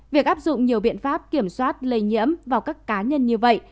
việc áp dụng nhiều biện pháp kiểm soát lây nhiễm vào các cá nhân như vậy